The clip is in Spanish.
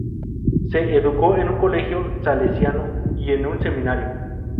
Se educó en un colegio salesiano y en un seminario.